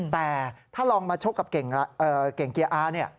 แต่ถ้าลองมาชกกับเก่งเกียร์อา